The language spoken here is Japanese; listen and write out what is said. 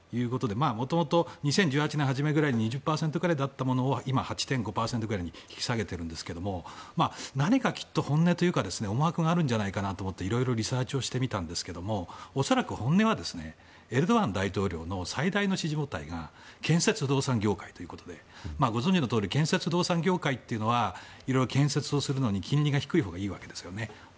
もともと２０１８年初めぐらいに２０％ぐらいだったものを今、８．５％ぐらいに引き下げていますが何かきっと、本音というか思惑があるんじゃないかと思っていろいろリサーチしてみたんですけど恐らく、本音はエルドアン大統領の最大の支持母体が建設動産業界ということでご存じのとおり建設動産業界というのはいろいろ建設をするには金利が低いほうがいいわけです。